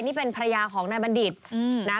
นี่เป็นภรรยาของนายบัณฑิตนะ